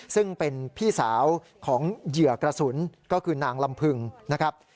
ซึ่งเป็นพี่สาวของเหยื่อกระสุนก็คือนางลำพึงนะครับ